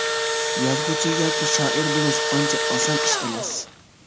يازغۇچى ياكى شائىر بولۇش ئانچە ئاسان ئىش ئەمەس.